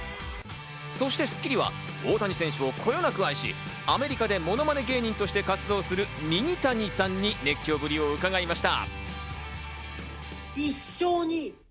そして『スッキリ』は大谷選手をこよなく愛し、アメリカで、ものまね芸人として活動するミニタニさんに熱狂ぶりを伺いました。